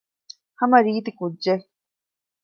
ހަމަ ރީތި ކުއްޖެއް